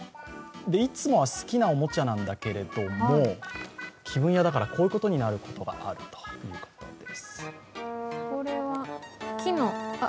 いつもは好きなおもちゃなんだけれども、気分屋だから、こういうことになることがあるということです。